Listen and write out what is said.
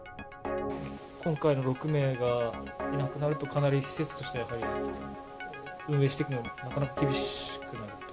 今回の６名がいなくなるとかなり施設としてやっぱり、運営していくのはなかなか厳しくなると？